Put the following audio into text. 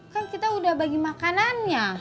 kan kita udah bagi makanannya